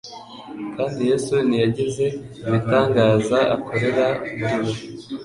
kandi Yesu ntiyagize ibitangaza akorera muri bo,